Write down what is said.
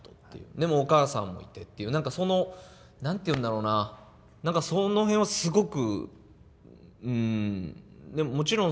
でもお母さんもいてっていう何かその何て言うんだろうな何かその辺はすごく。